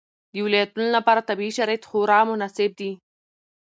د ولایتونو لپاره طبیعي شرایط خورا مناسب دي.